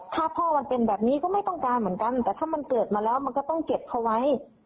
แต่ถ้ามันเกิดมาแล้วมันก็ต้องเก็บเขาไว้